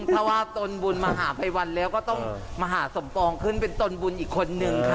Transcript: ถ้าว่าตนบุญมหาภัยวันแล้วก็ต้องมหาสมปองขึ้นเป็นตนบุญอีกคนนึงค่ะ